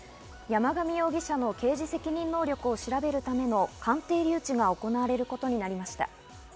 山上容疑者の刑事責任能力を調べるための鑑定留置が行われることになりました。